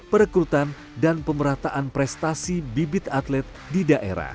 perekrutan dan pemerataan prestasi bibit atlet di daerah